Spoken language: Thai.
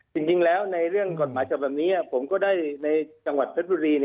จริงแล้วในเรื่องกฎหมายจบแบบนี้ผมก็ได้ในจังหวัดเพชรบุรี